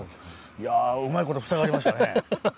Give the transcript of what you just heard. いやうまい事塞がりましたね。